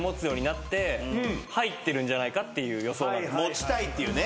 持ちたいっていうね。